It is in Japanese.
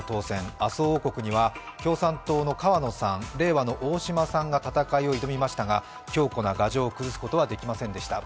麻生王国には共産党の河野さん、れいわの大島さんが戦いを挑みましたが、強固な牙城を崩すことはできませんでした。